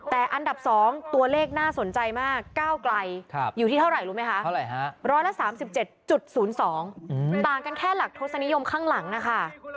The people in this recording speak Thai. แต่อันดับ๒ตัวเลขน่าสนใจมากก้าวไกลอยู่ที่เท่าไหร่รู้ไหมคะ๑๓๗๐๒ต่างกันแค่หลักทศนิยมข้างหลังนะคะ